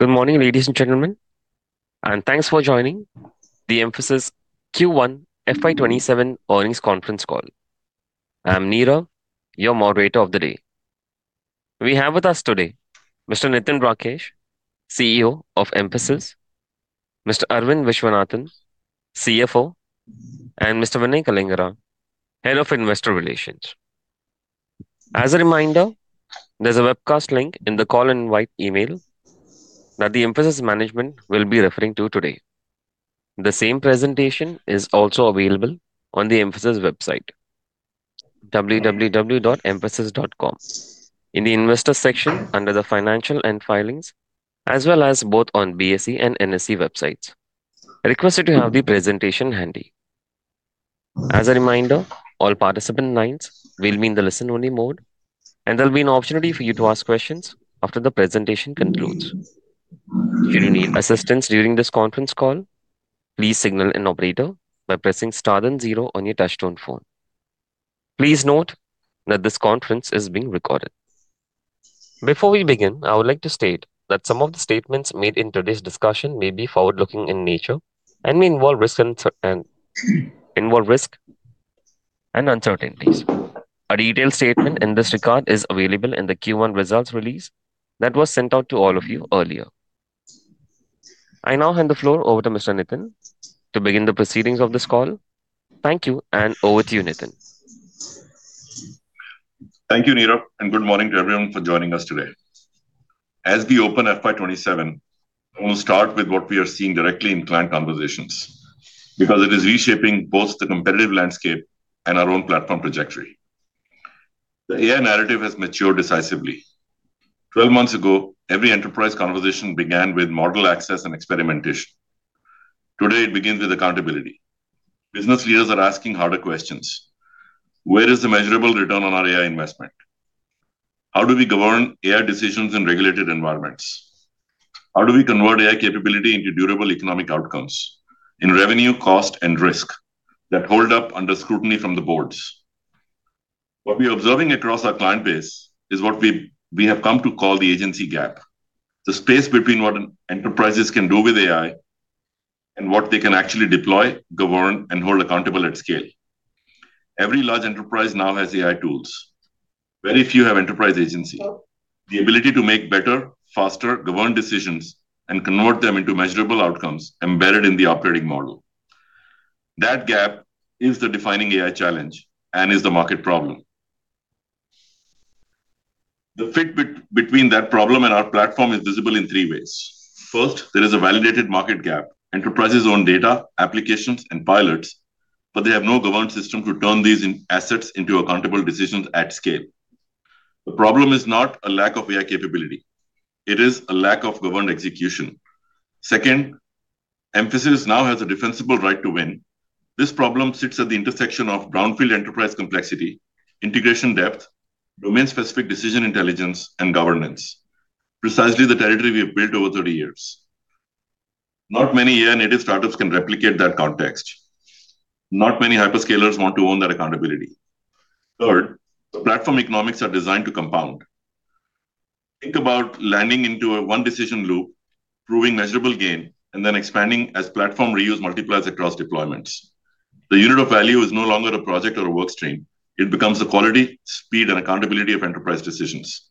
Good morning, ladies and gentlemen, and thanks for joining the Mphasis Q1 FY 2027 earnings conference call. I'm Neeraj, your moderator of the day. We have with us today Mr. Nitin Rakesh, CEO of Mphasis, Mr. Aravind Viswanathan, CFO, and Mr. Vinay Kalingara, Head of Investor Relations. As a reminder, there's a webcast link in the call invite email that the Mphasis management will be referring to today. The same presentation is also available on the mphasis.com website, in the investor section under the financial and filings, as well as both on BSE and NSE websites. Requested to have the presentation handy. As a reminder, all participant lines will be in the listen-only mode, and there'll be an opportunity for you to ask questions after the presentation concludes. If you need assistance during this conference call, please signal an operator by pressing star and zero on your touch-tone phone. Please note that this conference is being recorded. Before we begin, I would like to state that some of the statements made in today's discussion may be forward-looking in nature and may involve risk and uncertainties. A detailed statement in this regard is available in the Q1 results release that was sent out to all of you earlier. I now hand the floor over to Mr. Nitin to begin the proceedings of this call. Thank you. Over to you, Nitin. Thank you, Neeraj. Good morning to everyone for joining us today. As we open FY 2027, I want to start with what we are seeing directly in client conversations because it is reshaping both the competitive landscape and our own platform trajectory. The AI narrative has matured decisively. 12 months ago, every enterprise conversation began with model access and experimentation. Today, it begins with accountability. Business leaders are asking harder questions. Where is the measurable return on our AI investment? How do we govern AI decisions in regulated environments? How do we convert AI capability into durable economic outcomes in revenue, cost, and risk that hold up under scrutiny from the boards? What we are observing across our client base is what we have come to call the agency gap, the space between what enterprises can do with AI and what they can actually deploy, govern, and hold accountable at scale. Every large enterprise now has AI tools. Very few have enterprise agency. The ability to make better, faster governed decisions and convert them into measurable outcomes embedded in the operating model. That gap is the defining AI challenge and is the market problem. The fit between that problem and our platform is visible in three ways. First, there is a validated market gap. Enterprises own data, applications, and pilots, but they have no governed system to turn these assets into accountable decisions at scale. The problem is not a lack of AI capability. It is a lack of governed execution. Second, Mphasis now has a defensible right to win. This problem sits at the intersection of brownfield enterprise complexity, integration depth, domain-specific decision intelligence, and governance. Precisely the territory we have built over 30 years. Not many AI-native startups can replicate that context. Not many hyperscalers want to own that accountability. Third, the platform economics are designed to compound. Think about landing into a one-decision loop, proving measurable gain, and then expanding as platform reuse multiplies across deployments. The unit of value is no longer a project or a work stream. It becomes the quality, speed, and accountability of enterprise decisions.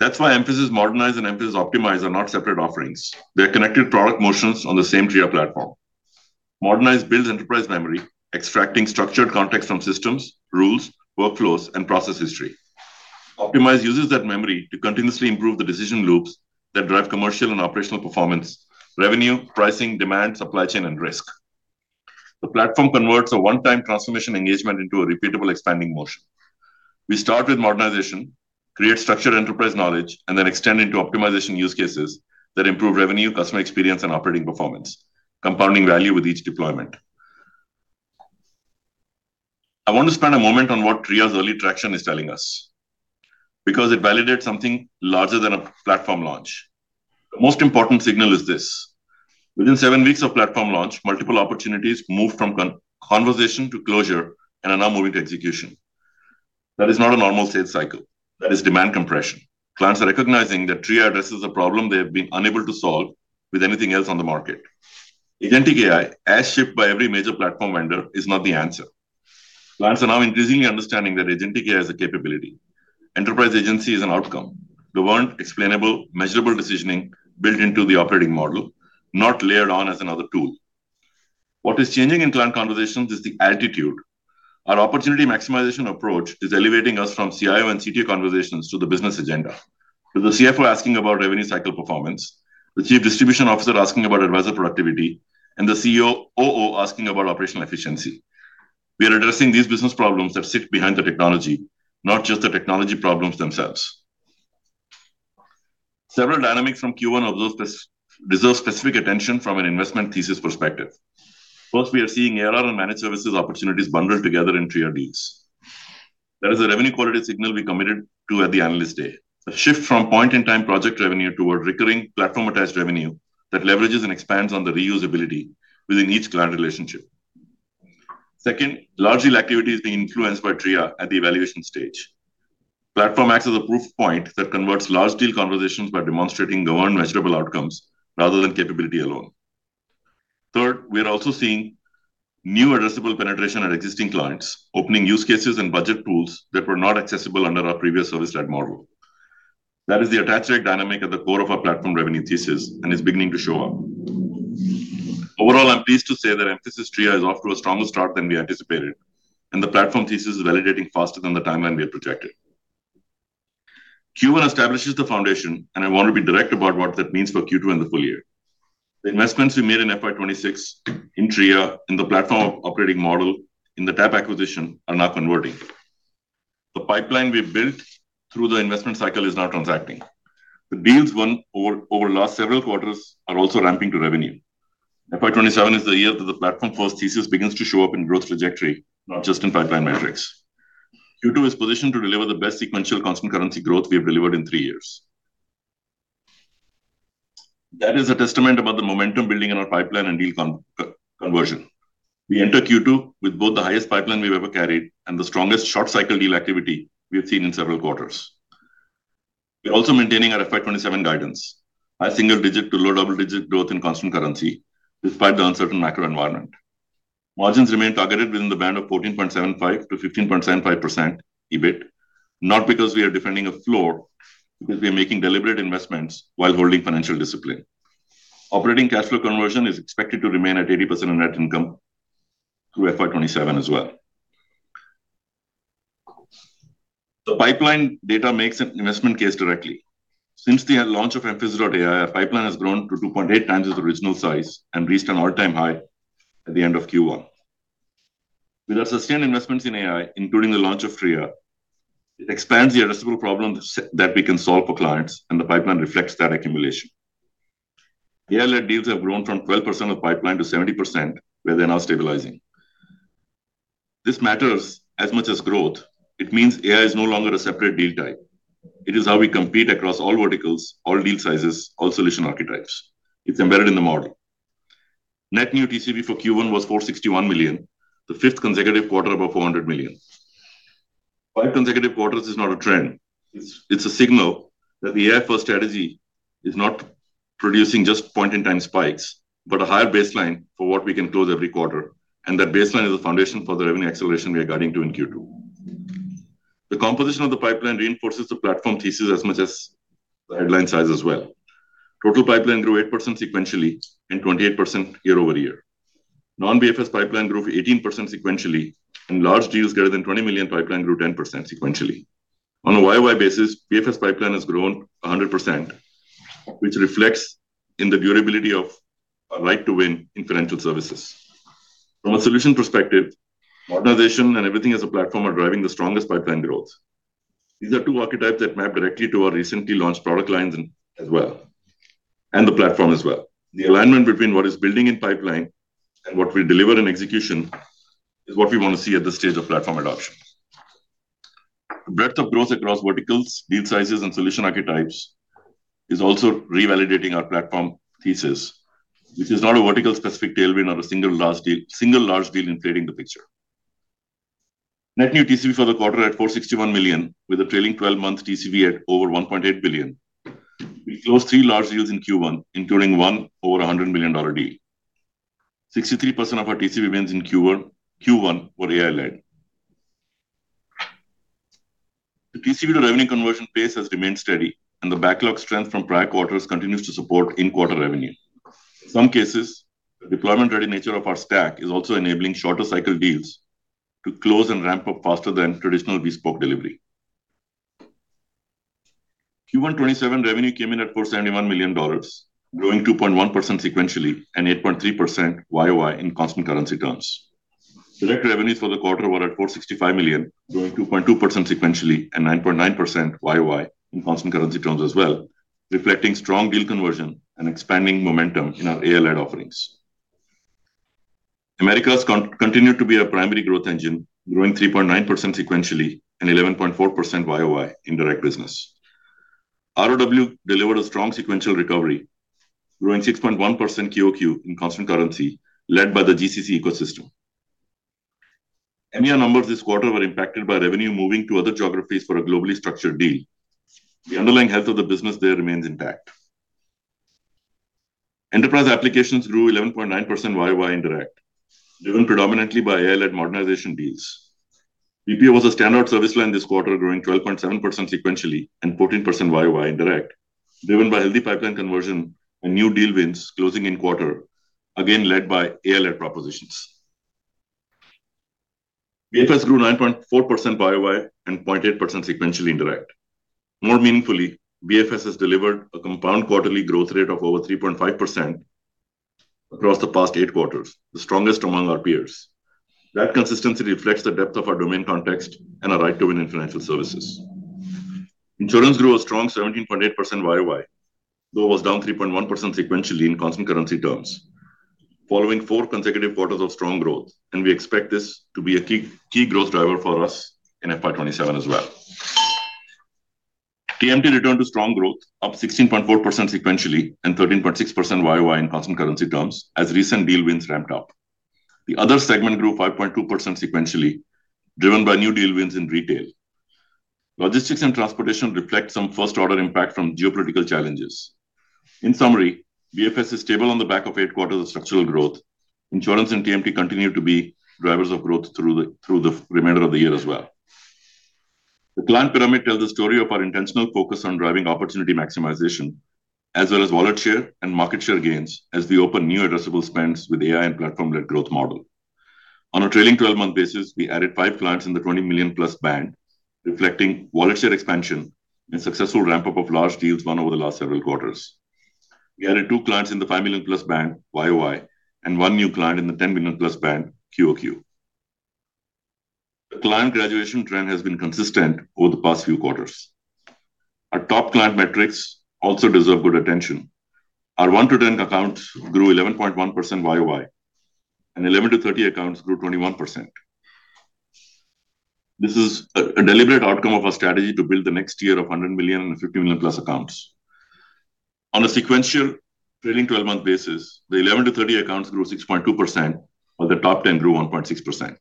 That's why Mphasis Modernize and Mphasis Optimize are not separate offerings. They are connected product motions on the same Tria platform. Modernize builds enterprise memory, extracting structured context from systems, rules, workflows, and process history. Optimize uses that memory to continuously improve the decision loops that drive commercial and operational performance, revenue, pricing, demand, supply chain, and risk. The platform converts a one-time transformation engagement into a repeatable expanding motion. We start with modernization, create structured enterprise knowledge, and then extend into optimization use cases that improve revenue, customer experience, and operating performance, compounding value with each deployment. I want to spend a moment on what Tria's early traction is telling us because it validates something larger than a platform launch. The most important signal is this: within seven weeks of platform launch, multiple opportunities moved from conversation to closure and are now moving to execution. That is not a normal sales cycle. That is demand compression. Clients are recognizing that Tria addresses a problem they have been unable to solve with anything else on the market. Agentic AI, as shipped by every major platform vendor, is not the answer. Clients are now increasingly understanding that Agentic AI is a capability. Enterprise agency is an outcome. Governed, explainable, measurable decisioning built into the operating model, not layered on as another tool. What is changing in client conversations is the altitude. Our opportunity maximization approach is elevating us from CIO and CTO conversations to the business agenda, with the CFO asking about revenue cycle performance, the Chief Distribution Officer asking about advisor productivity, and the COO asking about operational efficiency. We are addressing these business problems that sit behind the technology, not just the technology problems themselves. Several dynamics from Q1 deserve specific attention from an investment thesis perspective. First, we are seeing ARR and managed services opportunities bundled together in Tria deals. That is a revenue quality signal we committed to at the Analyst Day. A shift from point-in-time project revenue toward recurring platform-attached revenue that leverages and expands on the reusability within each client relationship. Second, large deal activity is being influenced by Tria at the evaluation stage. Platform acts as a proof point that converts large deal conversations by demonstrating governed measurable outcomes rather than capability alone. Third, we are also seeing new addressable penetration at existing clients, opening use cases and budget pools that were not accessible under our previous service line model. That is the attach rate dynamic at the core of our platform revenue thesis and is beginning to show up. Overall, I'm pleased to say that Mphasis Tria is off to a stronger start than we anticipated, and the platform thesis is validating faster than the timeline we had projected. Q1 establishes the foundation, and I want to be direct about what that means for Q2 and the full year. The investments we made in FY 2026 in Tria, in the platform operating model, in the TAP acquisition, are now converting. The pipeline we've built through the investment cycle is now transacting. The deals won over last several quarters are also ramping to revenue. FY 2027 is the year that the platform-first thesis begins to show up in growth trajectory, not just in pipeline metrics. Q2 is positioned to deliver the best sequential constant currency growth we have delivered in three years. That is a testament about the momentum building in our pipeline and deal conversion. We enter Q2 with both the highest pipeline we've ever carried and the strongest short cycle deal activity we have seen in several quarters. We're also maintaining our FY 2027 guidance, high single-digit to low double-digit growth in constant currency despite the uncertain macro environment. Margins remain targeted within the band of 14.75%-15.75% EBIT, not because we are defending a floor, because we are making deliberate investments while holding financial discipline. Operating cash flow conversion is expected to remain at 80% of net income through FY 2027 as well. The pipeline data makes an investment case directly. Since the launch of Mphasis.ai, our pipeline has grown to 2.8x its original size and reached an all-time high at the end of Q1. With our sustained investments in AI, including the launch of Tria, it expands the addressable problems that we can solve for clients, and the pipeline reflects that accumulation. AI-led deals have grown from 12% of pipeline to 70%, where they're now stabilizing. This matters as much as growth. It means AI is no longer a separate deal type. It is how we compete across all verticals, all deal sizes, all solution archetypes. It's embedded in the model. Net new TCV for Q1 was $461 million, the fifth consecutive quarter above $400 million. Five consecutive quarters is not a trend. It's a signal that the AI-first strategy is not producing just point-in-time spikes, but a higher baseline for what we can close every quarter. And that baseline is the foundation for the revenue acceleration we are guiding to in Q2. The composition of the pipeline reinforces the platform thesis as much as the headline size as well. Total pipeline grew 8% sequentially and 28% year-over-year. Non-BFS pipeline grew 18% sequentially, and large deals greater than $20 million pipeline grew 10% sequentially. On a YoY basis, BFS pipeline has grown 100%, which reflects in the durability of our right to win in financial services. From a solution perspective, modernization and everything as a platform are driving the strongest pipeline growth. These are two archetypes that map directly to our recently launched product lines as well, and the platform as well. The alignment between what is building in pipeline and what we deliver in execution is what we want to see at this stage of platform adoption. The breadth of growth across verticals, deal sizes, and solution archetypes is also revalidating our platform thesis. This is not a vertical specific tailwind or a single large deal inflating the picture. Net new TCV for the quarter at $461 million, with a trailing 12-month TCV at over $1.8 billion. We closed three large deals in Q1, including one over $100 million deal. 63% of our TCV wins in Q1 were AI-led. The TCV to revenue conversion pace has remained steady, and the backlog strength from prior quarters continues to support in-quarter revenue. In some cases, the deployment-ready nature of our stack is also enabling shorter cycle deals to close and ramp up faster than traditional bespoke delivery. Q1 27 revenue came in at $471 million, growing 2.1% sequentially and 8.3% YoY in constant currency terms. Direct revenues for the quarter were at $465 million, growing 2.2% sequentially and 9.9% YoY in constant currency terms as well, reflecting strong deal conversion and expanding momentum in our AI-led offerings. Americas continued to be our primary growth engine, growing 3.9% sequentially and 11.4% YoY in direct business. ROW delivered a strong sequential recovery, growing 6.1% QoQ in constant currency, led by the GCC ecosystem. EMEA numbers this quarter were impacted by revenue moving to other geographies for a globally structured deal. The underlying health of the business there remains intact. Enterprise applications grew 11.9% YoY in direct, driven predominantly by AI-led modernization deals. BPO was a standout service line this quarter, growing 12.7% sequentially and 14% YoY in direct, driven by healthy pipeline conversion and new deal wins closing in quarter, again led by AI-led propositions. BFS grew 9.4% YoY and 0.8% sequentially in direct. More meaningfully, BFS has delivered a compound quarterly growth rate of over 3.5% across the past eight quarters, the strongest among our peers. That consistency reflects the depth of our domain context and our right to win in financial services. Insurance grew a strong 17.8% YoY, though it was down 3.1% sequentially in constant currency terms following four consecutive quarters of strong growth, and we expect this to be a key growth driver for us in FY 2027 as well. TMT returned to strong growth, up 16.4% sequentially and 13.6% YoY in constant currency terms as recent deal wins ramped up. The other segment grew 5.2% sequentially, driven by new deal wins in retail. Logistics and transportation reflect some first order impact from geopolitical challenges. In summary, BFS is stable on the back of eight quarters of structural growth. Insurance and TMT continue to be drivers of growth through the remainder of the year as well. The client pyramid tells the story of our intentional focus on driving opportunity maximization, as well as wallet share and market share gains as we open new addressable spends with AI and platform-led growth model. On a trailing 12-month basis, we added five clients in the 20 million-plus band, reflecting wallet share expansion and successful ramp-up of large deals won over the last several quarters. We added two clients in the five million-plus band YoY and one new client in the 10 million-plus band QoQ. The client graduation trend has been consistent over the past few quarters. Our top client metrics also deserve good attention. Our one to 10 accounts grew 11.1% YoY and 11-30 accounts grew 21%. This is a deliberate outcome of our strategy to build the next tier of 100 million and 50 million-plus accounts. On a sequential trailing 12-month basis, the 11-30 accounts grew 6.2% while the top 10 grew 1.6%.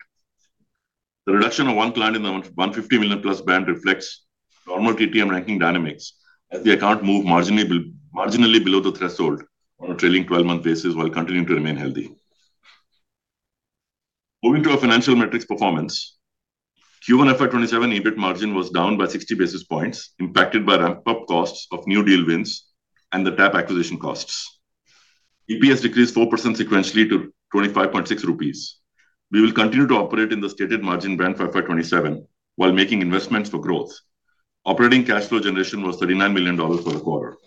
The reduction of one client in the $150 million plus band reflects normal TTM ranking dynamics as the account moved marginally below the threshold on a trailing 12-month basis while continuing to remain healthy. Moving to our financial metrics performance. Q1 FY 2027 EBIT margin was down by 60 basis points impacted by ramp-up costs of new deal wins and the TAP acquisition costs. EPS decreased 4% sequentially to 25.6 rupees. We will continue to operate in the stated margin band for FY 2027 while making investments for growth. Operating cash flow generation was $39 million for the quarter.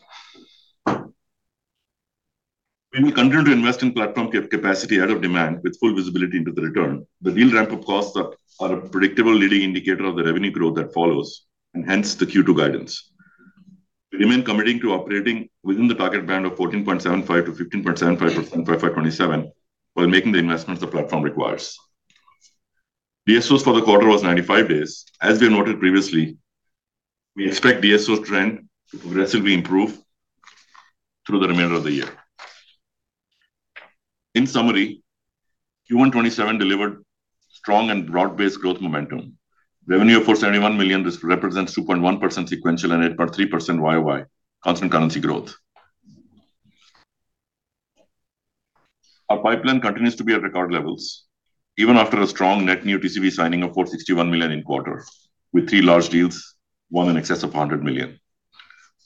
We will continue to invest in platform capacity ahead of demand with full visibility into the return. The deal ramp-up costs are a predictable leading indicator of the revenue growth that follows. Hence the Q2 guidance. We remain committing to operating within the target band of 14.75%-15.75% for FY 2027 while making the investments the platform requires. DSOs for the quarter was 95 days. As we have noted previously, we expect DSO trend to progressively improve through the remainder of the year. In summary, Q1 2027 delivered strong and broad-based growth momentum. Revenue of $471 million represents 2.1% sequential and 8.3% YOY constant currency growth. Our pipeline continues to be at record levels even after a strong net new TCV signing of $461 million in quarter, with three large deals won in excess of $100 million.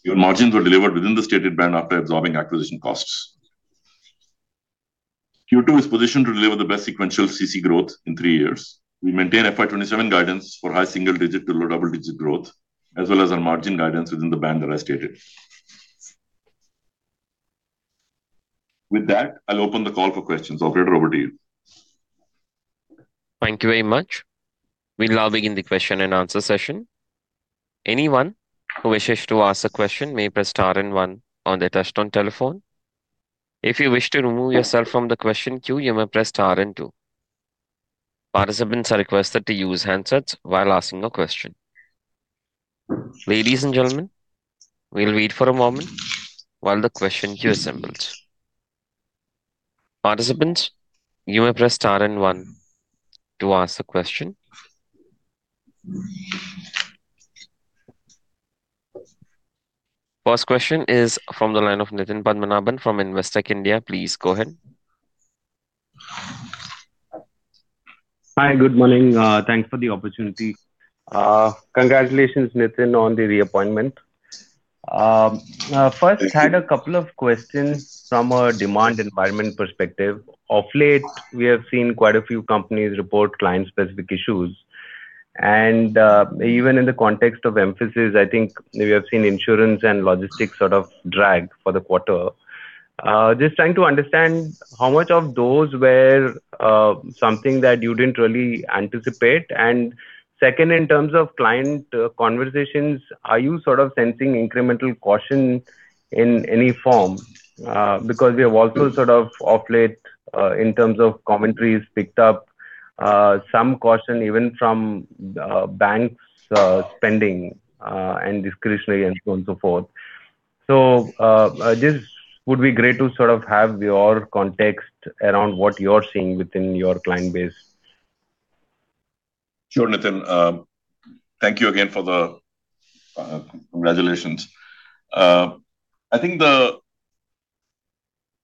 Even margins were delivered within the stated band after absorbing acquisition costs. Q2 is positioned to deliver the best sequential CC growth in three years. We maintain FY 2027 guidance for high single digit to low double-digit growth, as well as our margin guidance within the band that I stated. With that, I'll open the call for questions. Operator, over to you. Thank you very much. We'll now begin the question and answer session. Anyone who wishes to ask a question may press star one on their touch-tone telephone. If you wish to remove yourself from the question queue, you may press star two. Participants are requested to use handsets while asking a question. Ladies and gentlemen, we'll wait for a moment while the question queue assembles. Participants, you may press star one to ask the question. First question is from the line of Nitin Padmanabhan from Investec India. Please go ahead. Hi. Good morning. Thanks for the opportunity. Congratulations, Nitin, on the reappointment. Thank you. First had a couple of questions from a demand environment perspective. Of late, we have seen quite a few companies report client-specific issues, and even in the context of Mphasis, I think we have seen insurance and logistics sort of drag for the quarter. Just trying to understand how much of those were something that you didn't really anticipate. Second, in terms of client conversations, are you sort of sensing incremental caution in any form? Because we have also sort of of late, in terms of commentaries picked up, some caution even from banks' spending and discretionary and so on, so forth. Just would be great to sort of have your context around what you're seeing within your client base. Sure, Nitin. Thank you again for the congratulations. I think the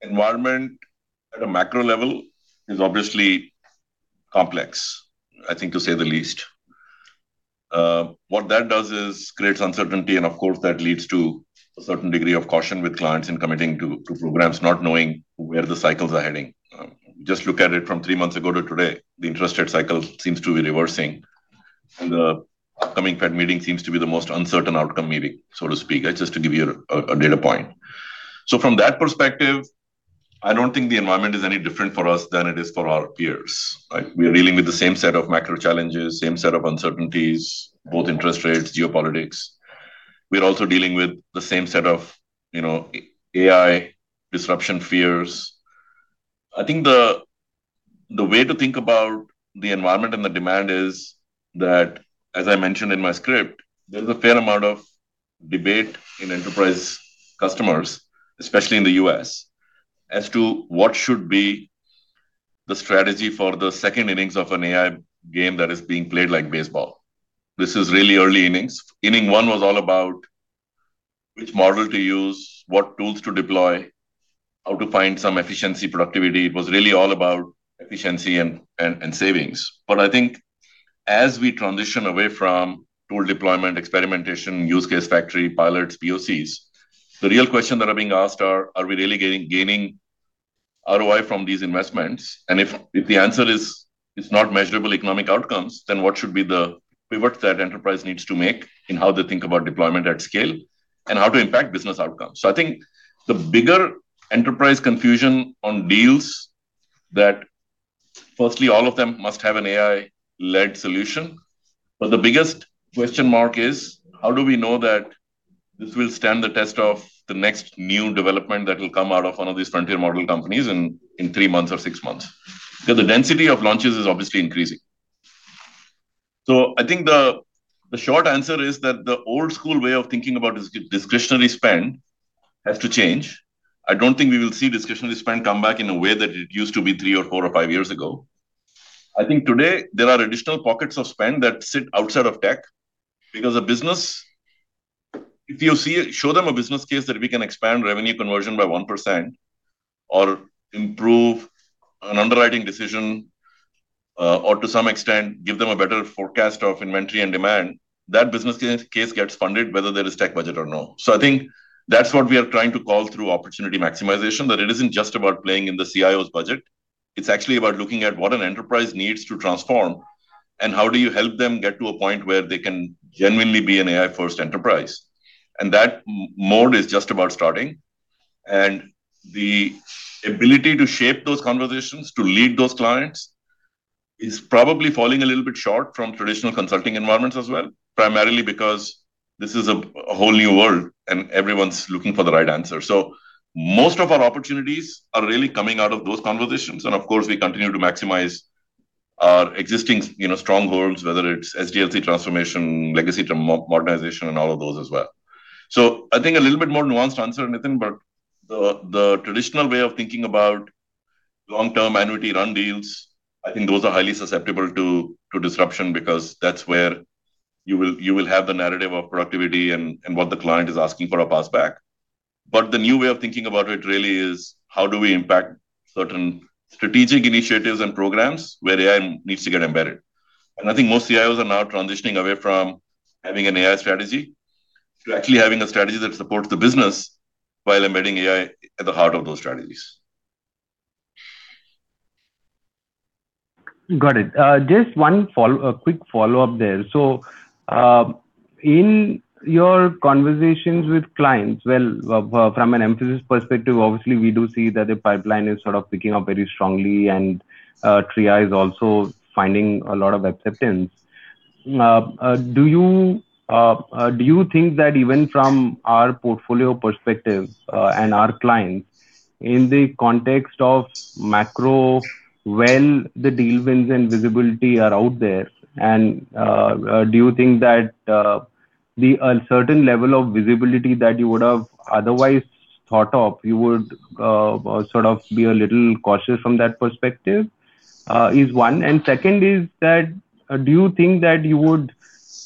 environment at a macro level is obviously complex, I think, to say the least. What that does is creates uncertainty, and of course, that leads to a certain degree of caution with clients in committing to programs not knowing where the cycles are heading. Just look at it from three months ago to today, the interest rate cycle seems to be reversing, and the upcoming Fed meeting seems to be the most uncertain outcome meeting, so to speak. That's just to give you a data point. From that perspective, I don't think the environment is any different for us than it is for our peers, right? We are dealing with the same set of macro challenges, same set of uncertainties, both interest rates, geopolitics. We are also dealing with the same set of AI disruption fears. I think the way to think about the environment and the demand is that, as I mentioned in my script, there is a fair amount of debate in enterprise customers, especially in the U.S., as to what should be the strategy for the second innings of an AI game that is being played like baseball. This is really early innings. Inning one was all about which model to use, what tools to deploy, how to find some efficiency productivity. It was really all about efficiency and savings. I think as we transition away from tool deployment, experimentation, use case factory, pilots, POCs, the real question that are being asked are we really gaining ROI from these investments? If the answer is it's not measurable economic outcomes, what should be the pivot that enterprise needs to make in how they think about deployment at scale and how to impact business outcomes? I think the bigger enterprise confusion on deals that firstly, all of them must have an AI-led solution. The biggest question mark is how do we know that this will stand the test of the next new development that will come out of one of these frontier model companies in three months or six months? Because the density of launches is obviously increasing. I think the short answer is that the old school way of thinking about discretionary spend has to change. I don't think we will see discretionary spend come back in a way that it used to be three or four or five years ago. I think today there are additional pockets of spend that sit outside of tech because If you show them a business case that we can expand revenue conversion by 1% or improve an underwriting decision, or to some extent give them a better forecast of inventory and demand, that business case gets funded whether there is tech budget or no. I think that's what we are trying to call through opportunity maximization, that it isn't just about playing in the CIO's budget. It's actually about looking at what an enterprise needs to transform and how do you help them get to a point where they can genuinely be an AI-first enterprise. That mode is just about starting, and the ability to shape those conversations, to lead those clients is probably falling a little bit short from traditional consulting environments as well, primarily because this is a whole new world and everyone's looking for the right answer. Most of our opportunities are really coming out of those conversations. Of course, we continue to maximize our existing strongholds, whether it's SDLC transformation, legacy to modernization, and all of those as well. I think a little bit more nuanced answer, Nitin, the traditional way of thinking about long-term annuity run deals, I think those are highly susceptible to disruption because that's where you will have the narrative of productivity and what the client is asking for a passback. The new way of thinking about it really is how do we impact certain strategic initiatives and programs where AI needs to get embedded. I think most CIOs are now transitioning away from having an an AI strategy to actually having a strategy that supports the business while embedding AI at the heart of those strategies. Got it. Just one quick follow-up there. In your conversations with clients, well, from an Mphasis perspective, obviously, we do see that the pipeline is sort of picking up very strongly, and Tria is also finding a lot of acceptance. Do you think that even from our portfolio perspective, and our clients, in the context of macro, well, the deal wins and visibility are out there, and do you think that a certain level of visibility that you would have otherwise thought of, you would sort of be a little cautious from that perspective, is one? Second is that, do you think that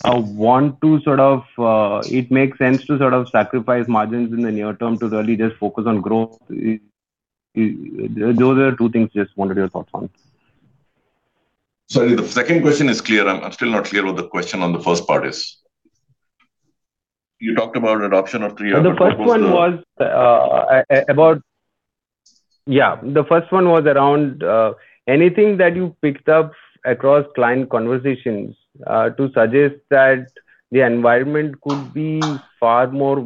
it makes sense to sort of sacrifice margins in the near term to really just focus on growth? Those are two things I just wanted your thoughts on. Sorry, the second question is clear. I'm still not clear what the question on the first part is. You talked about adoption of Tria- The first one was, Yeah, the first one was around anything that you picked up across client conversations, to suggest that the environment could be far more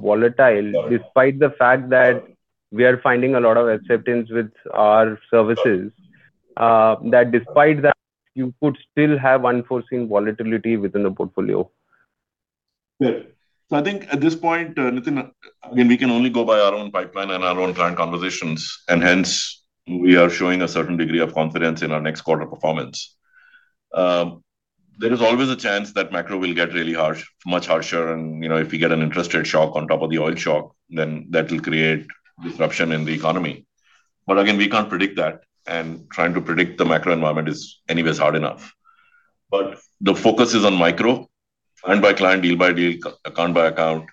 volatile- Got it. -despite the fact that we are finding a lot of acceptance with our services. That despite that, you could still have unforeseen volatility within the portfolio. I think at this point, Nitin, again, we can only go by our own pipeline and our own client conversations, and hence, we are showing a certain degree of confidence in our next quarter performance. There is always a chance that macro will get really harsh, much harsher, and if we get an interest rate shock on top of the oil shock, then that will create disruption in the economy. Again, we can't predict that, and trying to predict the macro environment is anyways hard enough. The focus is on micro and by client, deal by deal, account by account.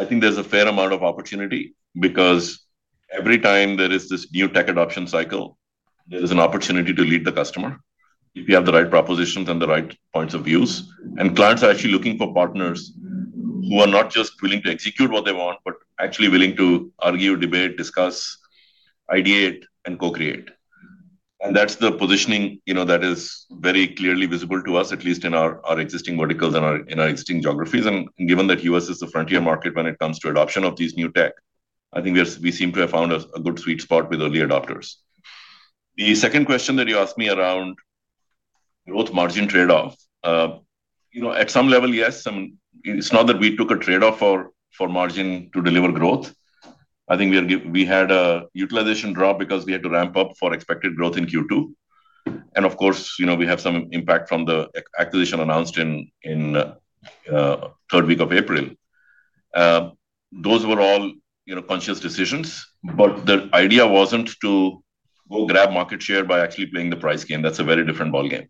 I think there's a fair amount of opportunity because every time there is this new tech adoption cycle, there is an opportunity to lead the customer if you have the right propositions and the right points of views. Clients are actually looking for partners who are not just willing to execute what they want, but actually willing to argue, debate, discuss, ideate, and co-create. That's the positioning that is very clearly visible to us, at least in our existing verticals and in our existing geographies. Given that U.S. is the frontier market when it comes to adoption of these new tech, I think we seem to have found a good sweet spot with early adopters. The second question that you asked me around Growth margin trade-off. At some level, yes. It's not that we took a trade-off for margin to deliver growth. I think we had a utilization drop because we had to ramp up for expected growth in Q2. Of course, we have some impact from the acquisition announced in third week of April. Those were all conscious decisions. The idea wasn't to go grab market share by actually playing the price game. That's a very different ballgame.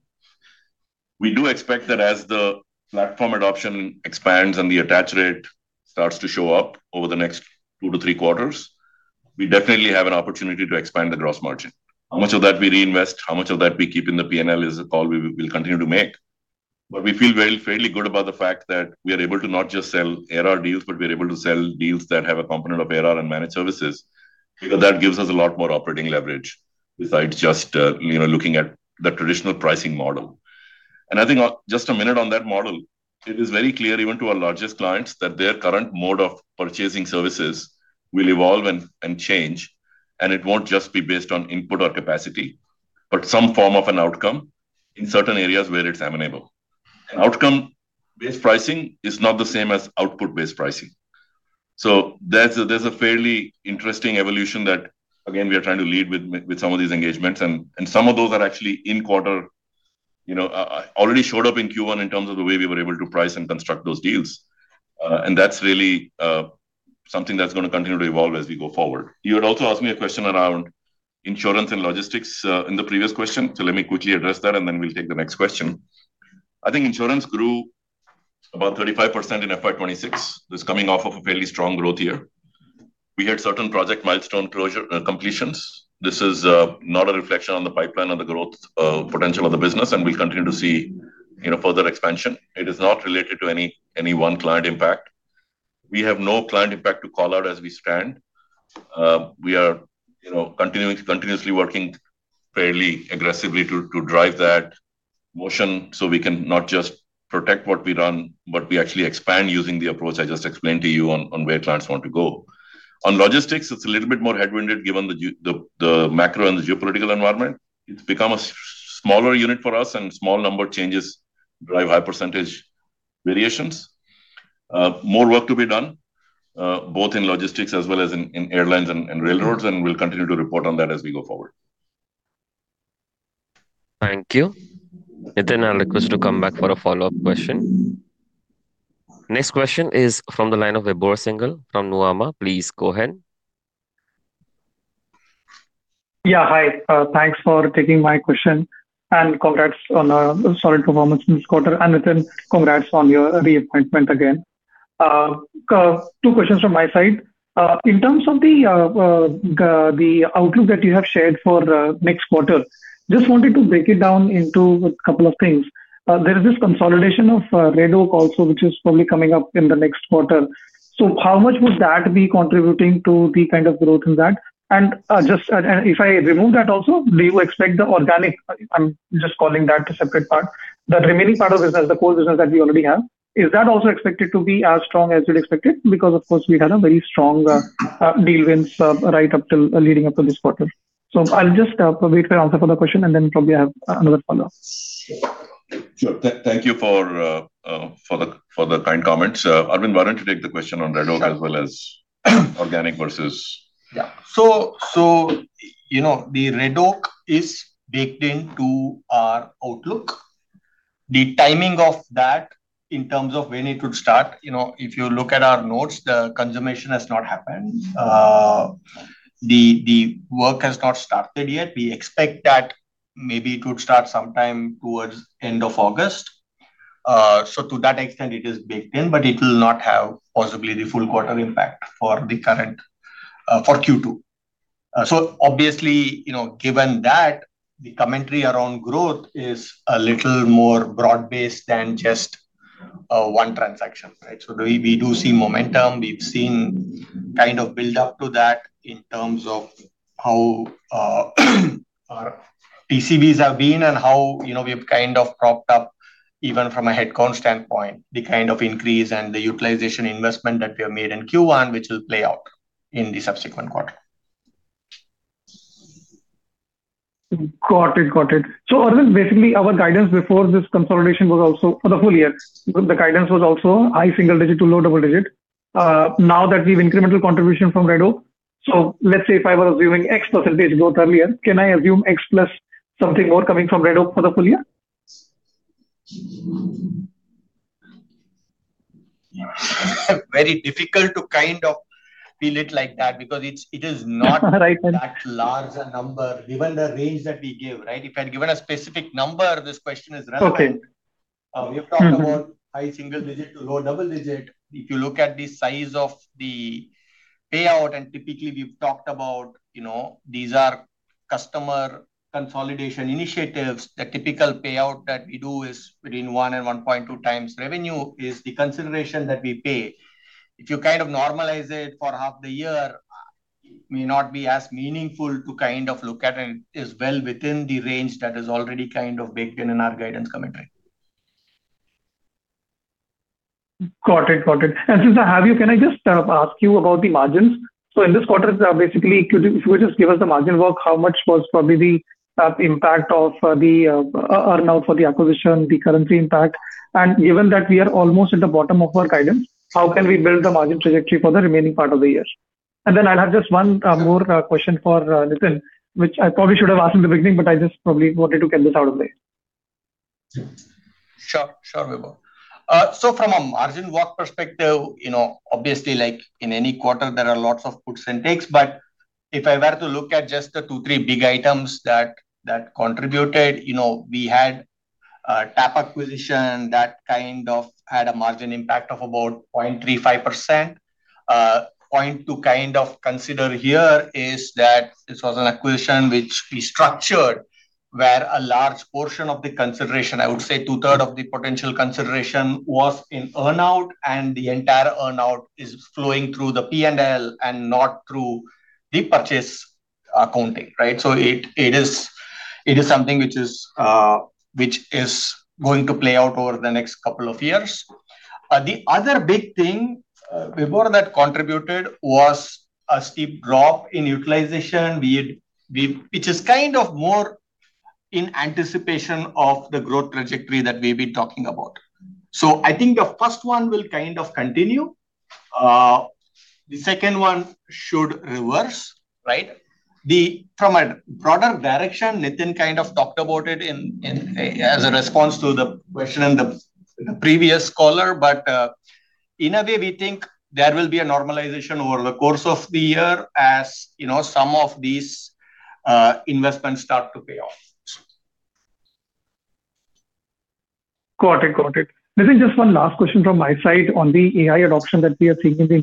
We do expect that as the platform adoption expands and the attach rate starts to show up over the next two to three quarters, we definitely have an opportunity to expand the gross margin. How much of that we reinvest, how much of that we keep in the P&L is a call we will continue to make. We feel fairly good about the fact that we are able to not just sell ARR deals, but we're able to sell deals that have a component of ARR and managed services, because that gives us a lot more operating leverage besides just looking at the traditional pricing model. I think just a minute on that model, it is very clear, even to our largest clients, that their current mode of purchasing services will evolve and change, and it won't just be based on input or capacity, but some form of an outcome in certain areas where it's amenable. Outcome-based pricing is not the same as output-based pricing. There's a fairly interesting evolution that, again, we are trying to lead with some of these engagements, and some of those are actually in quarter. Already showed up in Q1 in terms of the way we were able to price and construct those deals. That's really something that's going to continue to evolve as we go forward. You had also asked me a question around insurance and logistics in the previous question. Let me quickly address that and then we'll take the next question. I think insurance grew about 35% in FY 2026. This is coming off of a fairly strong growth year. We had certain project milestone completions. This is not a reflection on the pipeline or the growth potential of the business, and we continue to see further expansion. It is not related to any one client impact. We have no client impact to call out as we stand. We are continuously working fairly aggressively to drive that motion so we can not just protect what we run, but we actually expand using the approach I just explained to you on where clients want to go. On logistics, it's a little bit more headwinded given the macro and the geopolitical environment. It's become a smaller unit for us and small number changes drive high percentage variations. More work to be done, both in logistics as well as in airlines and railroads. We'll continue to report on that as we go forward. Thank you. Nitin, I'll request you to come back for a follow-up question. Next question is from the line of Vibhor Singhal from Nuvama. Please go ahead. Yeah, hi. Thanks for taking my question. Congrats on a solid performance this quarter. Nitin, congrats on your reappointment again. Two questions from my side. In terms of the outlook that you have shared for the next quarter, just wanted to break it down into a couple of things. There is this consolidation of Red Oak also, which is probably coming up in the next quarter. How much would that be contributing to the kind of growth in that? If I remove that also, do you expect the organic, I'm just calling that a separate part, the remaining part of business, the core business that we already have, is that also expected to be as strong as we'd expected? Of course, we've had a very strong deal wins right leading up to this quarter. I'll just wait for your answer for the question, and then probably I have another follow-up. Sure. Thank you for the kind comments. Aravind, why don't you take the question on Red Oak as well as organic versus Yeah. The Red Oak is baked into our outlook. The timing of that in terms of when it would start, if you look at our notes, the consummation has not happened. The work has not started yet. We expect that maybe it would start sometime towards end of August. To that extent, it is baked in, but it will not have possibly the full quarter impact for Q2. Obviously, given that, the commentary around growth is a little more broad-based than just one transaction, right? We do see momentum. We've seen build up to that in terms of how our TCVs have been and how we've propped up, even from a headcount standpoint, the kind of increase and the utilization investment that we have made in Q1, which will play out in the subsequent quarter. Got it. Aravind, basically, our guidance before this consolidation for the full year, the guidance was also high single digit to low double digit. Now that we've incremental contribution from Red Oak, let's say if I was viewing X percentage growth earlier, can I assume X plus something more coming from Red Oak for the full year? Very difficult to kind of peel it like that because it is not- Right. -that large a number, given the range that we gave, right? If I'd given a specific number, this question is relevant. Okay. We've talked about high single digit to low double digit. If you look at the size of the payout, typically we've talked about these are customer consolidation initiatives, the typical payout that we do is between 1 and 1.2 times revenue is the consideration that we pay. If you normalize it for half the year, it may not be as meaningful to look at it, and is well within the range that is already baked in in our guidance commentary. Got it. Since I have you, can I just ask you about the margins? In this quarter, basically, could you just give us the margin walk? How much was probably the impact of the earn-out for the acquisition, the currency impact? Given that we are almost at the bottom of our guidance, how can we build the margin trajectory for the remaining part of the year? Then I'll have just one more question for Nitin, which I probably should have asked in the beginning, but I just probably wanted to get this out of the way. Sure, Vibhor. From a margin walk perspective, obviously, like in any quarter, there are lots of puts and takes, but if I were to look at just the two, three big items that contributed. We had TAP acquisition that kind of had a margin impact of about 0.35%. A point to kind of consider here is that this was an acquisition which we structured, where a large portion of the consideration, I would say two-third of the potential consideration, was in earn-out, and the entire earn-out is flowing through the P&L and not through the purchase accounting. It is something which is going to play out over the next couple of years. The other big thing, Vibhor, that contributed was a steep drop in utilization, which is kind of more in anticipation of the growth trajectory that we've been talking about. I think the first one will kind of continue. The second one should reverse. From a broader direction, Nitin kind of talked about it as a response to the question and the previous caller. In a way, we think there will be a normalization over the course of the year as some of these investments start to pay off. Got it. Nitin, just one last question from my side on the AI adoption that we are seeing in the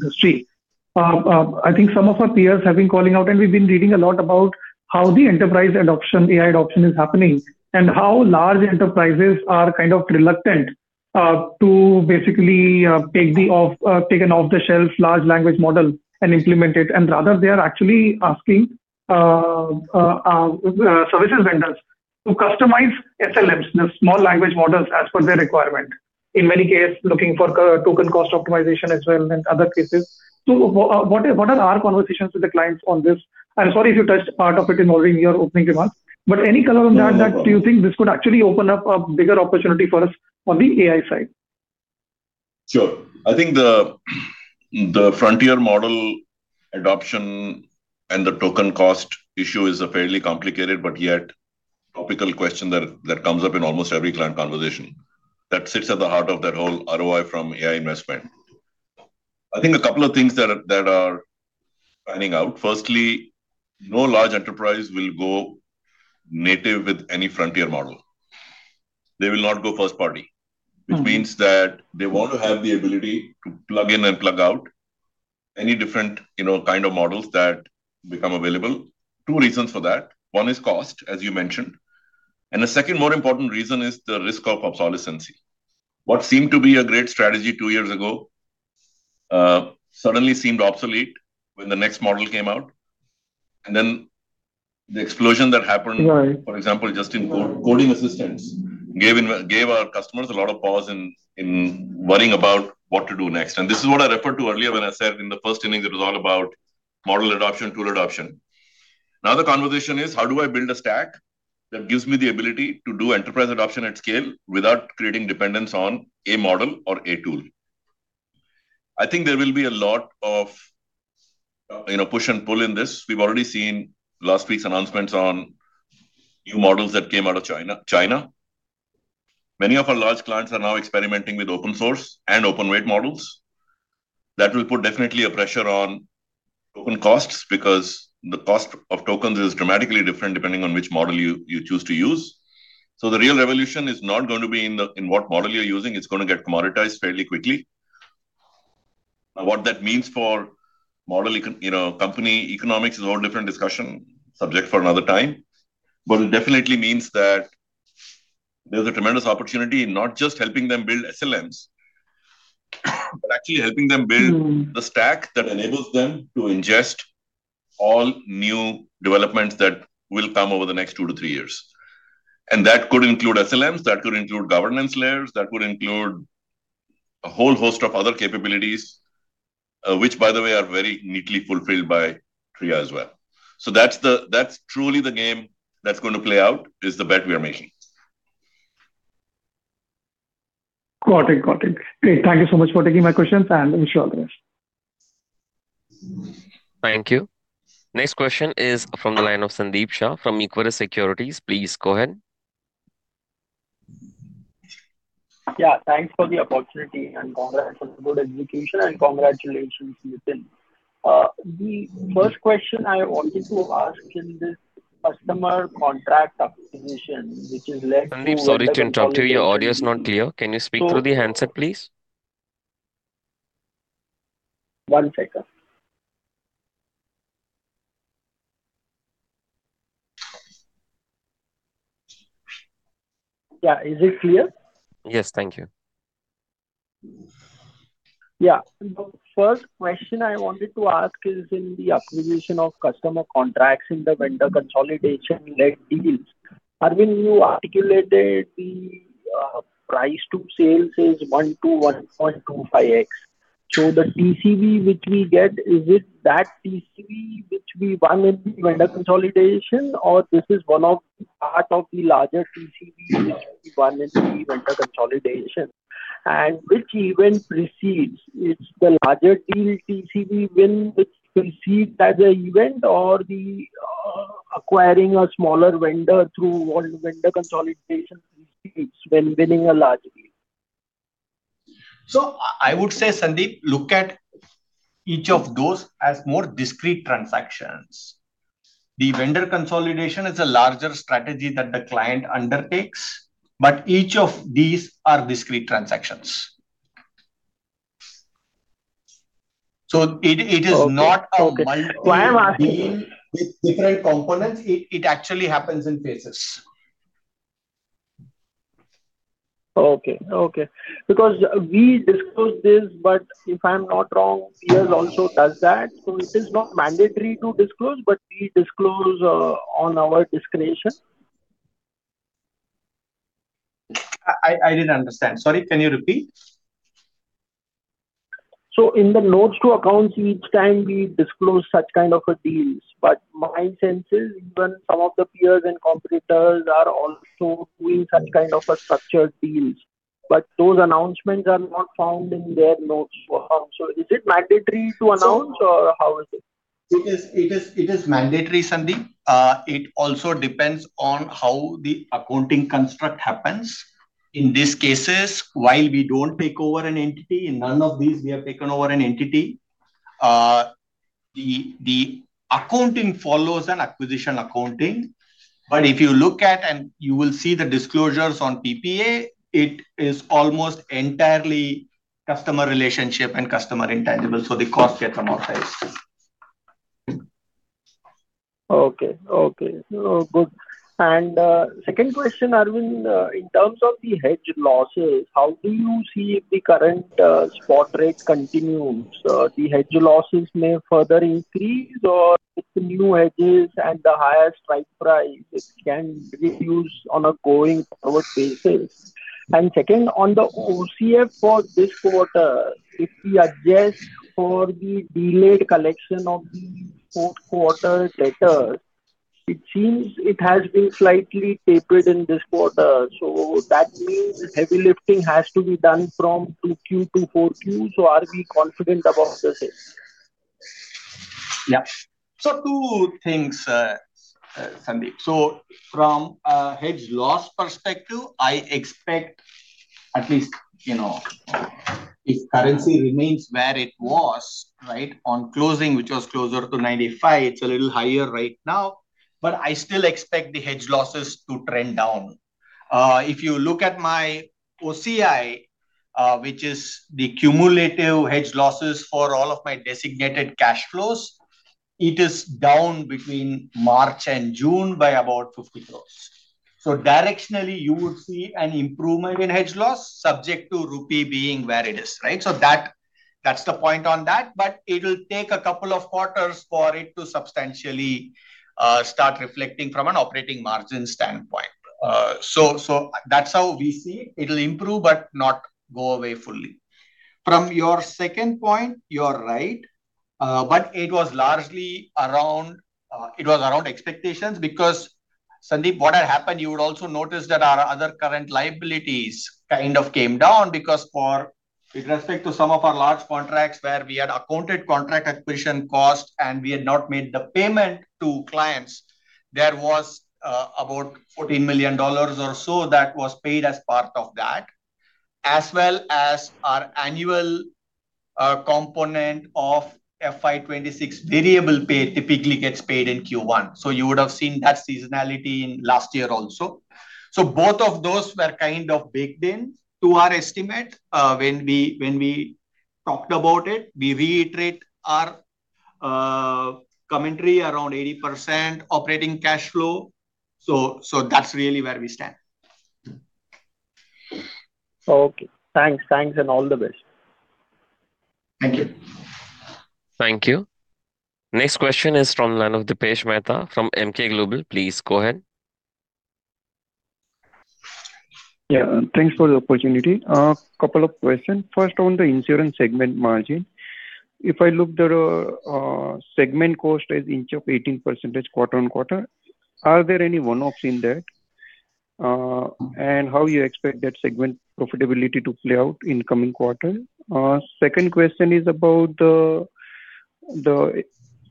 industry. I think some of our peers have been calling out, and we've been reading a lot about how the enterprise AI adoption is happening and how large enterprises are kind of reluctant to basically take an off-the-shelf large language model and implement it. Rather, they are actually asking services vendors to customize SLMs, the small language models as per their requirement. In many cases, looking for token cost optimization as well, and other cases. What are our conversations with the clients on this? Sorry if you touched part of it already in your opening remarks. Any color on that, do you think this could actually open up a bigger opportunity for us on the AI side? Sure. I think the frontier model adoption and the token cost issue is a fairly complicated but yet topical question that comes up in almost every client conversation. That sits at the heart of that whole ROI from AI investment. I think a couple of things that are panning out. Firstly, no large enterprise will go native with any frontier model. They will not go first party, which means that they want to have the ability to plug in and plug out any different kind of models that become available. Two reasons for that. One is cost, as you mentioned, and the second more important reason is the risk of obsolescence. What seemed to be a great strategy two years ago suddenly seemed obsolete when the next model came out. The explosion that happened- Right. -for example, just in coding assistance, gave our customers a lot of pause in worrying about what to do next. This is what I referred to earlier when I said in the first innings it was all about model adoption, tool adoption. Now the conversation is how do I build a stack that gives me the ability to do enterprise adoption at scale without creating dependence on a model or a tool. I think there will be a lot of push and pull in this. We've already seen last week's announcements on new models that came out of China. Many of our large clients are now experimenting with open source and open weight models. That will put definitely a pressure on open costs because the cost of tokens is dramatically different depending on which model you choose to use. The real revolution is not going to be in what model you're using. It's going to get commoditized fairly quickly. What that means for company economics is a whole different discussion subject for another time. It definitely means that there's a tremendous opportunity in not just helping them build SLMs, but actually helping them build the stack that enables them to ingest all new developments that will come over the next two to three years. That could include SLMs, that could include governance layers, that could include a whole host of other capabilities, which, by the way, are very neatly fulfilled by Tria as well. That's truly the game that's going to play out, is the bet we are making. Got it. Great. Thank you so much for taking my questions. Wish you all the best. Thank you. Next question is from the line of Sandeep Shah from Equirus Securities. Please go ahead. Yeah. Thanks for the opportunity and for the good execution. Congratulations, Nitin. The first question I wanted to ask in this customer contract acquisition. Sandeep, sorry to interrupt you. Your audio is not clear. Can you speak through the handset, please? One second. Yeah. Is it clear? Yes. Thank you. The first question I wanted to ask is in the acquisition of customer contracts in the vendor consolidation-led deals Aravind, you articulated the price to sales is one to 1.25x. The TCV which we get, is it that TCV which we won in the vendor consolidation, or this is one of the part of the larger TCV which we won in the vendor consolidation? Which event precedes? Is the larger deal TCV win which precedes the other event, or the acquiring a smaller vendor through all vendor consolidation precedes when winning a large deal? I would say, Sandeep, look at each of those as more discrete transactions. The vendor consolidation is a larger strategy that the client undertakes, each of these are discrete transactions. It is not- Okay. -a multi- I am asking. -deal with different components. It actually happens in phases. Okay. Because we disclose this, but if I'm not wrong, peers also does that. It is not mandatory to disclose, but we disclose on our discretion. I didn't understand. Sorry, can you repeat? In the notes to accounts, each time we disclose such kind of a deals. My sense is even some of the peers and competitors are also doing such kind of a structured deals. Those announcements are not found in their notes for us. Is it mandatory to announce, or how is it? It is mandatory, Sandeep. It also depends on how the accounting construct happens. In these cases, while we don't take over an entity, in none of these we have taken over an entity. The accounting follows an acquisition accounting. If you look at and you will see the disclosures on PPA, it is almost entirely customer relationship and customer intangible, the cost gets amortized. Okay. Good. Second question, Aravind, in terms of the hedge losses, how do you see if the current spot rate continues? The hedge losses may further increase or with new hedges and the higher strike price, it can reduce on a going forward basis. Second, on the OCF for this quarter, if we adjust for the delayed collection of the fourth quarter letters, it seems it has been slightly tapered in this quarter. That means heavy lifting has to be done from 2Q to 4Q. Are we confident about the same? Yeah. Two things, Sandeep. From a hedge loss perspective, I expect at least if currency remains where it was, right, on closing, which was closer to 95, it's a little higher right now, but I still expect the hedge losses to trend down. If you look at my OCI, which is the cumulative hedge losses for all of my designated cash flows, it is down between March and June by about 50 crores. Directionally, you would see an improvement in hedge loss subject to rupee being where it is. Right. That's the point on that. But it will take a couple of quarters for it to substantially start reflecting from an operating margin standpoint. That's how we see it. It will improve but not go away fully. From your second point, you are right. It was largely around expectations because, Sandeep, what had happened, you would also notice that our other current liabilities kind of came down because for, with respect to some of our large contracts where we had accounted contract acquisition cost and we had not made the payment to clients, there was about $14 million or so that was paid as part of that. As well as our annual component of FY 2026 variable pay typically gets paid in Q1. You would have seen that seasonality in last year also. Both of those were kind of baked in to our estimate when we talked about it. We reiterate our commentary around 80% operating cash flow. That's really where we stand. Okay. Thanks. All the best. Thank you. Thank you. Next question is from line of Dipesh Mehta from Emkay Global. Please go ahead. Yeah. Thanks for the opportunity. A couple of questions. First, on the insurance segment margin. If I look there, segment cost is inch of 18% quarter-on-quarter. Are there any one-offs in that? How you expect that segment profitability to play out in coming quarter? Second question is about the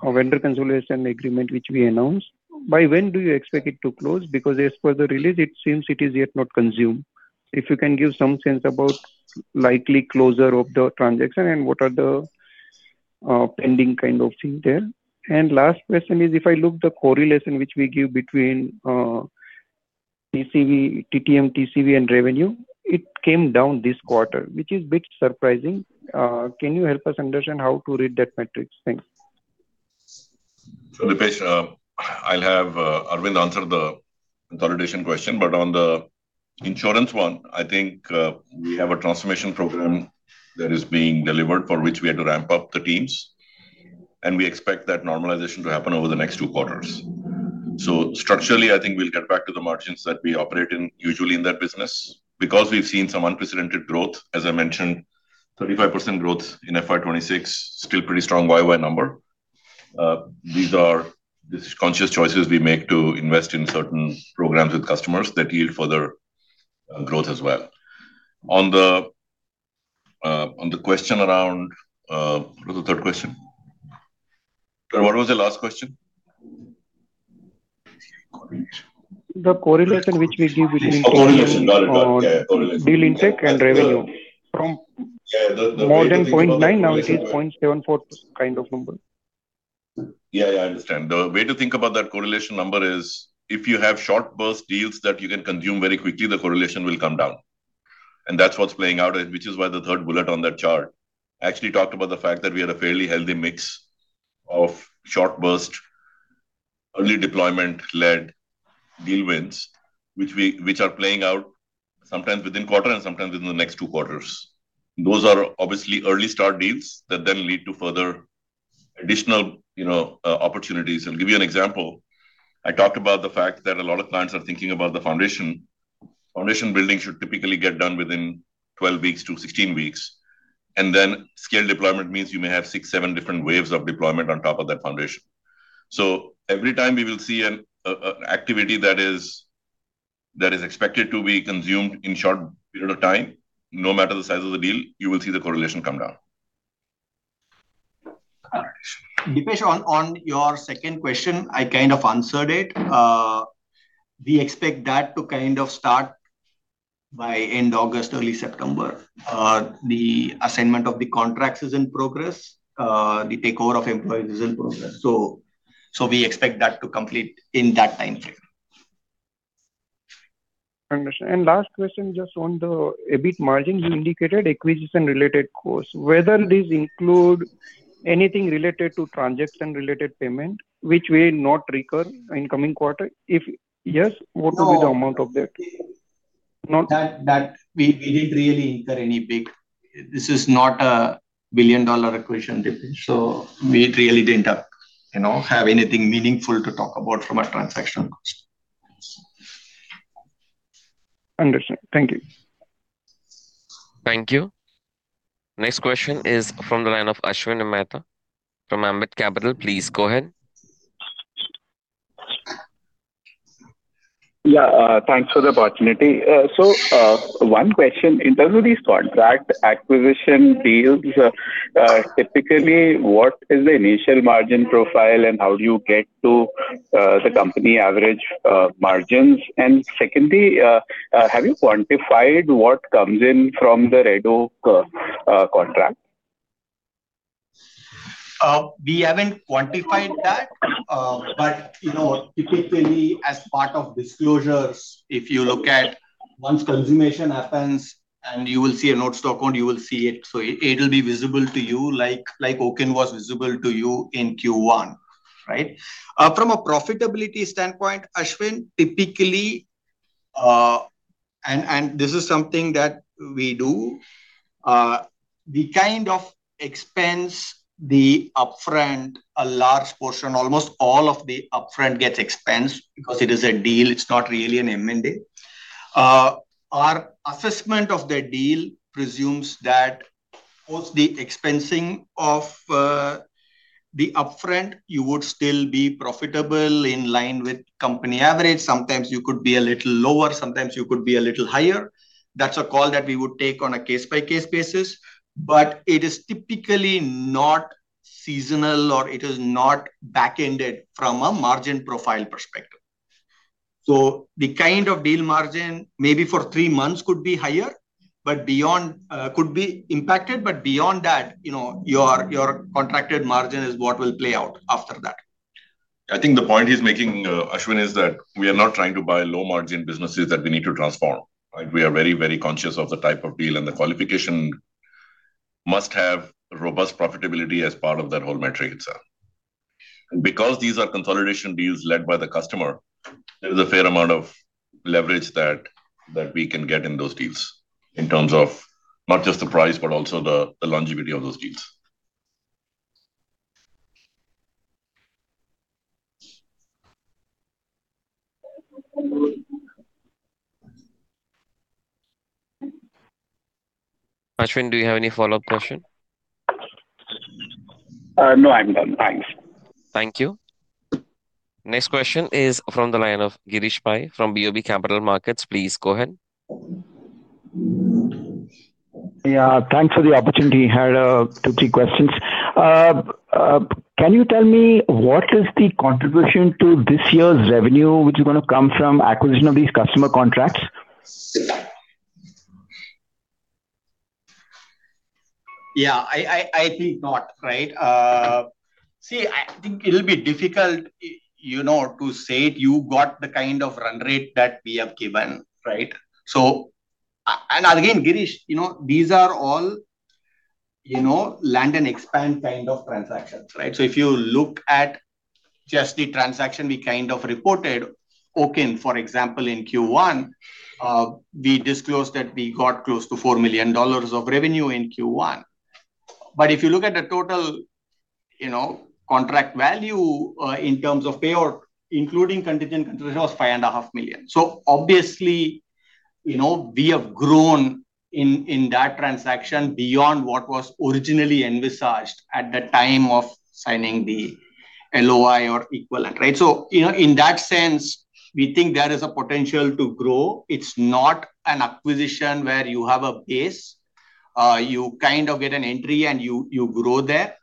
vendor consolidation agreement which we announced. By when do you expect it to close? As per the release, it seems it is yet not consumed. If you can give some sense about likely closure of the transaction and what are the pending kind of thing there. Last question is, if I look the correlation which we give between TTM, TCV and revenue, it came down this quarter, which is bit surprising. Can you help us understand how to read that metric? Thanks. Dipesh, I'll have Aravind answer the consolidation question, but on the insurance one, I think we have a transformation program that is being delivered for which we had to ramp up the teams, and we expect that normalization to happen over the next two quarters. Structurally, I think we'll get back to the margins that we operate in usually in that business. We've seen some unprecedented growth, as I mentioned, 35% growth in FY 2026, still pretty strong YoY number. These are conscious choices we make to invest in certain programs with customers that yield further growth as well. On the third question. What was the last question? The correlation which we give between- Oh, correlation. Got it. Yeah, correlation. -deal intake and revenue from more than 0.9 now it is 0.74 kind of number. Yeah, I understand. The way to think about that correlation number is if you have short burst deals that you can consume very quickly, the correlation will come down, that's what's playing out, which is why the third bullet on that chart actually talked about the fact that we had a fairly healthy mix of short burst, early deployment-led deal wins, which are playing out sometimes within quarter and sometimes within the next two quarters. Those are obviously early start deals that then lead to further additional opportunities. I'll give you an example. I talked about the fact that a lot of clients are thinking about the foundation. Foundation building should typically get done within 12 weeks to 16 weeks, then scale deployment means you may have six, seven different waves of deployment on top of that foundation. Every time we will see an activity that is expected to be consumed in short period of time, no matter the size of the deal, you will see the correlation come down. Dipesh, on your second question, I kind of answered it. We expect that to kind of start by end August, early September. The assignment of the contracts is in progress. The takeover of employees is in progress. We expect that to complete in that time frame. Understood. Last question, just on the EBIT margin, you indicated acquisition-related costs, whether these include anything related to transaction-related payment which may not recur in coming quarter. If yes, what will be the amount of that? No. No? We didn't really incur any. This is not a billion-dollar acquisition, Dipesh. We really didn't have anything meaningful to talk about from a transaction cost. Understood. Thank you. Thank you. Next question is from the line of Ashwin Mehta from Ambit Capital. Please go ahead. Yeah. Thanks for the opportunity. One question, in terms of these contract acquisition deals, typically, what is the initial margin profile and how do you get to the company average margins? Secondly, have you quantified what comes in from the Red Oak contract? We haven't quantified that. Typically, as part of disclosures, if you look at once consummation happens and you will see a notes to account, you will see it. It'll be visible to you like OKIN was visible to you in Q1, right? From a profitability standpoint, Ashwin, typically, and this is something that we do, we kind of expense the upfront, a large portion, almost all of the upfront gets expensed because it is a deal, it's not really an M&A. Our assessment of the deal presumes that post the expensing of the upfront, you would still be profitable in line with company average. Sometimes you could be a little lower, sometimes you could be a little higher. That's a call that we would take on a case-by-case basis. It is typically not seasonal, or it is not back-ended from a margin profile perspective. The kind of deal margin, maybe for three months could be higher, could be impacted, but beyond that, your contracted margin is what will play out after that. I think the point he's making, Ashwin, is that we are not trying to buy low-margin businesses that we need to transform, right? We are very conscious of the type of deal, and the qualification must have robust profitability as part of that whole metric itself. Because these are consolidation deals led by the customer, there is a fair amount of leverage that we can get in those deals in terms of not just the price, but also the longevity of those deals. Ashwin, do you have any follow-up question? No, I'm done. Thanks. Thank you. Next question is from the line of Girish Pai from BOB Capital Markets. Please go ahead. Yeah. Thanks for the opportunity. Had two, three questions. Can you tell me what is the contribution to this year's revenue, which is going to come from acquisition of these customer contracts? Yeah. I think not, right? I think it'll be difficult to say you got the kind of run rate that we have given, right? Again, Girish, these are all land and expand kind of transactions. If you look at just the transaction we reported, OKIN, for example, in Q1, we disclosed that we got close to $4 million of revenue in Q1. But if you look at the total contract value in terms of payout, including contingent consideration, was $5.5 million. Obviously, we have grown in that transaction beyond what was originally envisaged at the time of signing the LOI or equivalent. In that sense, we think there is a potential to grow. It's not an acquisition where you have a base. You get an entry and you grow there.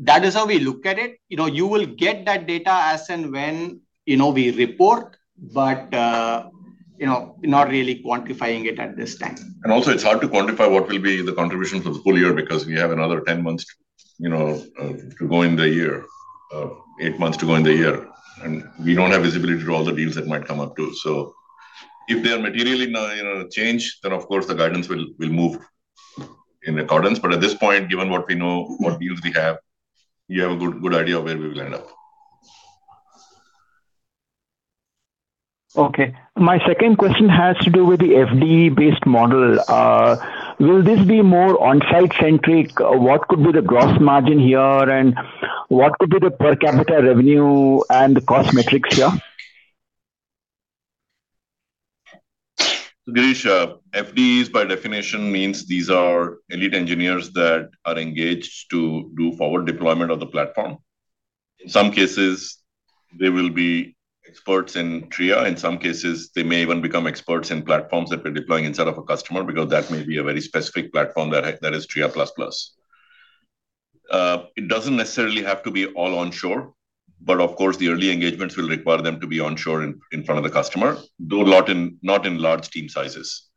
That is how we look at it. You will get that data as and when we report, but not really quantifying it at this time. Also it's hard to quantify what will be the contribution for the full year because we have another 10 months to go in the year, eight months to go in the year, and we don't have visibility to all the deals that might come up too. If they are materially going to change, then of course the guidance will move in accordance. At this point, given what we know, what deals we have, you have a good idea of where we will end up. Okay. My second question has to do with the FD-based model. Will this be more on-site centric? What could be the gross margin here, and what could be the per capita revenue and the cost metrics here? Girish, FDs by definition means these are elite engineers that are engaged to do forward deployment of the platform. In some cases, they will be experts in Tria. In some cases, they may even become experts in platforms that we're deploying inside of a customer, because that may be a very specific platform that is Tria Plus Plus. It doesn't necessarily have to be all onshore, but of course, the early engagements will require them to be onshore in front of the customer, though not in large team sizes.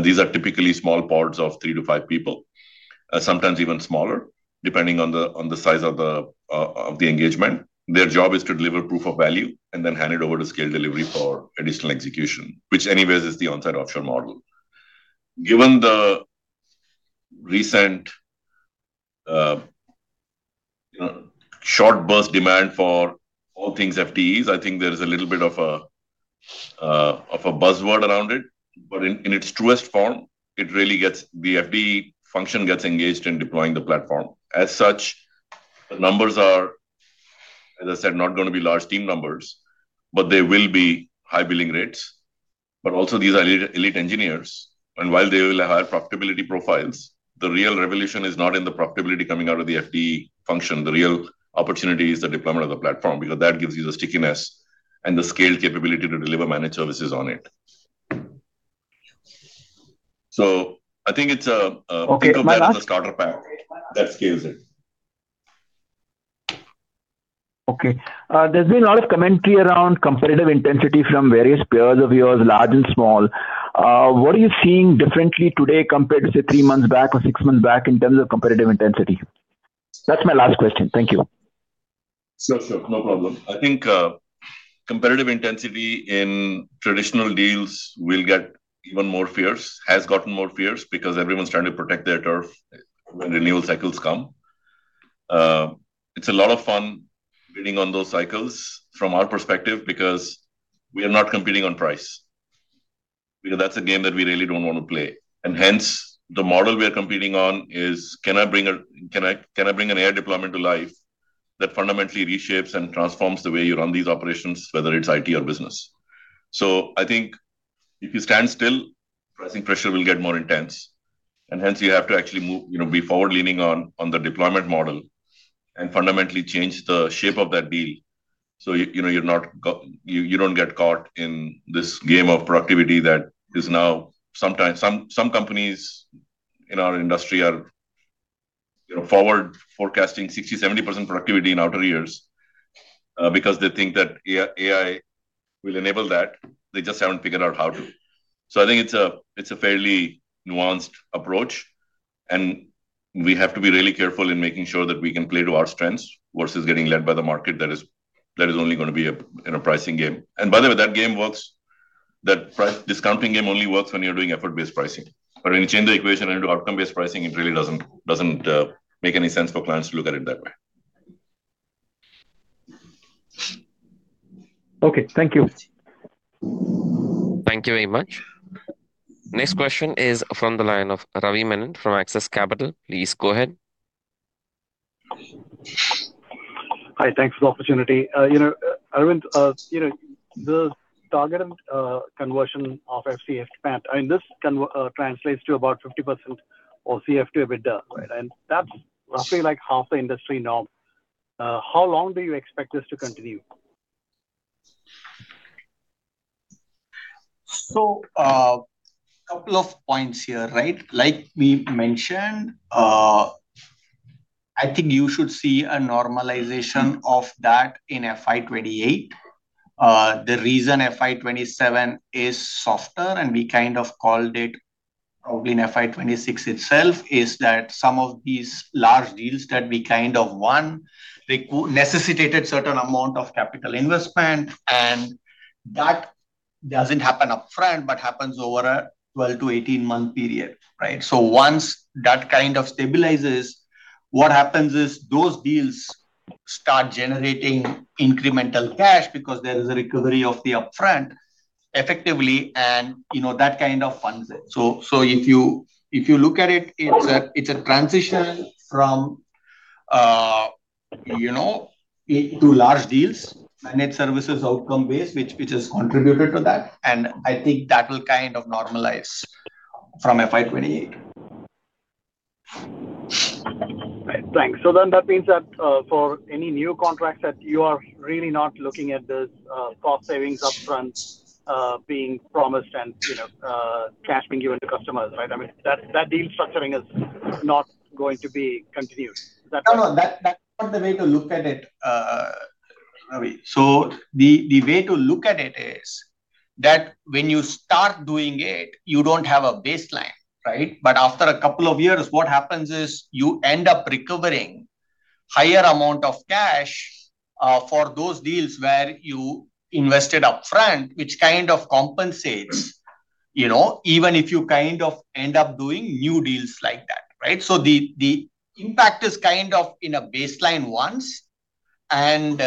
These are typically small pods of three to five people, sometimes even smaller, depending on the size of the engagement. Their job is to deliver proof of value and then hand it over to scale delivery for additional execution, which anyways is the on-site offshore model. Given the recent short burst demand for all things FDEs, I think there is a little bit of a buzzword around it. In its truest form, the FD function gets engaged in deploying the platform. As such, the numbers are, as I said, not going to be large team numbers, but they will be high billing rates. Also these are elite engineers, and while they will have profitability profiles, the real revolution is not in the profitability coming out of the FD function. The real opportunity is the deployment of the platform because that gives you the stickiness and the scale capability to deliver managed services on it. I think it's- Okay. -think of that as a starter pack that scales it. Okay. There's been a lot of commentary around competitive intensity from various peers of yours, large and small. What are you seeing differently today compared to, say, three months back or six months back in terms of competitive intensity? That's my last question. Thank you. Sure. No problem. I think competitive intensity in traditional deals will get even more fierce, has gotten more fierce because everyone's trying to protect their turf when renewal cycles come. It's a lot of fun bidding on those cycles from our perspective because we are not competing on price. That's a game that we really don't want to play. The model we are competing on is can I bring an AI deployment to life that fundamentally reshapes and transforms the way you run these operations, whether it's IT or business. I think if you stand still, pricing pressure will get more intense, and hence you have to actually be forward-leaning on the deployment model and fundamentally change the shape of that deal. You don't get caught in this game of productivity that is now. Some companies in our industry are forward forecasting 60%, 70% productivity in outer years because they think that AI will enable that. They just haven't figured out how to. I think it's a fairly nuanced approach, and we have to be really careful in making sure that we can play to our strengths versus getting led by the market that is only going to be in a pricing game. That discounting game only works when you're doing effort-based pricing. When you change the equation and do outcome-based pricing, it really doesn't make any sense for clients to look at it that way. Okay. Thank you. Thank you very much. Next question is from the line of Ravi Menon from Axis Capital. Please go ahead. Hi. Thanks for the opportunity. Aravind, the target conversion of FCF spent, this translates to about 50% of FCF to EBITDA. Right. That's roughly like half the industry norm. How long do you expect this to continue? Couple of points here. Like we mentioned, I think you should see a normalization of that in FY 2028. The reason FY 2027 is softer, and we called it probably in FY 2026 itself, is that some of these large deals that we won necessitated certain amount of capital investment, that doesn't happen upfront, but happens over a 12-18 month period. Once that kind of stabilizes, what happens is those deals start generating incremental cash because there is a recovery of the upfront effectively, and that kind of funds it. If you look at it's a transition from two large deals, managed services outcome base, which has contributed to that, and I think that will kind of normalize from FY 2028. Right. Thanks. That means that, for any new contracts that you are really not looking at the cost savings upfront being promised and cash being given to customers, right? That deal structuring is not going to be continued. Is that correct? No, that's not the way to look at it, Ravi. The way to look at it is that when you start doing it, you don't have a baseline, right? After a couple of years, what happens is you end up recovering higher amount of cash for those deals where you invested upfront, which kind of compensates, even if you end up doing new deals like that. The impact is kind of in a baseline once, and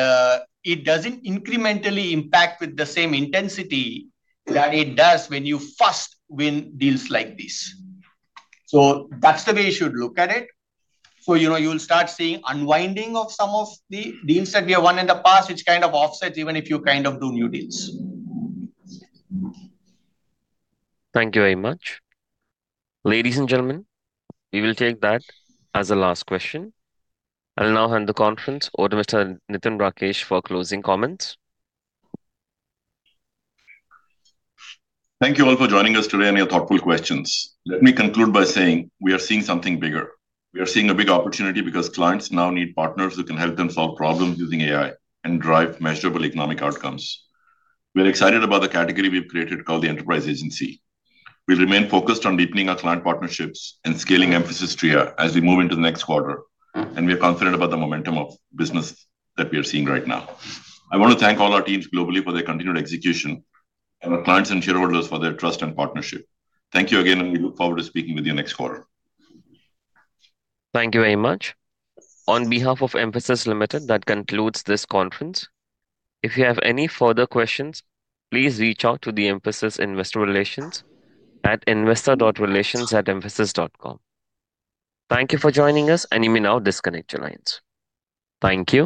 it doesn't incrementally impact with the same intensity that it does when you first win deals like this. That's the way you should look at it. You'll start seeing unwinding of some of the deals that we have won in the past, which kind of offsets even if you do new deals. Thank you very much. Ladies and gentlemen, we will take that as the last question. I'll now hand the conference over to Mr. Nitin Rakesh for closing comments. Thank you all for joining us today and your thoughtful questions. Let me conclude by saying we are seeing something bigger. We are seeing a big opportunity because clients now need partners who can help them solve problems using AI and drive measurable economic outcomes. We are excited about the category we've created called the Enterprise Agency. We remain focused on deepening our client partnerships and scaling Mphasis to here as we move into the next quarter, and we are confident about the momentum of business that we are seeing right now. I want to thank all our teams globally for their continued execution, and our clients and shareholders for their trust and partnership. Thank you again. We look forward to speaking with you next quarter. Thank you very much. On behalf of Mphasis Limited, that concludes this conference. If you have any further questions, please reach out to the Mphasis investor relations at investor.relations@mphasis.com. Thank you for joining us, and you may now disconnect your lines. Thank you